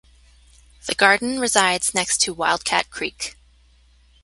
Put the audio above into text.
The garden resides next to Wildcat Creek.